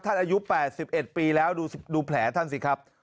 อายุ๘๑ปีแล้วดูแผลท่านสิครับ